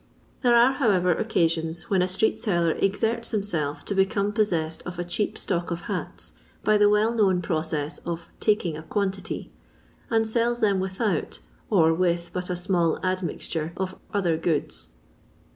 There are, however, occasions, when a street seller exerts himself to become possessed of a cheap stock of hats, by the well known process of " taking a quantity," and sells them without, or with but a small admixture of other goods.